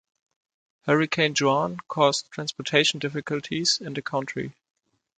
Hurricane Joan caused transportation difficulties in the country.